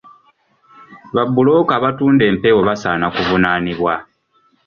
Babbulooka abatunda empewo basaana kuvunaanibwa.